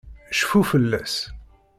Cfu fell-as!